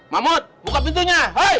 mamut buka pintunya